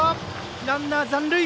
ランナー残塁。